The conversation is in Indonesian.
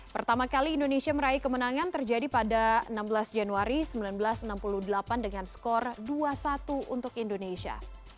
pertama kali indonesia meraih kemenangan terjadi pada enam belas januari seribu sembilan ratus enam puluh delapan dengan skor dua satu untuk indonesia